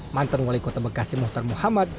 mantan wali kota bekasi muhtar muhammad